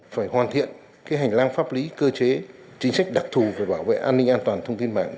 phải hoàn thiện hành lang pháp lý cơ chế chính sách đặc thù về bảo vệ an ninh an toàn thông tin mạng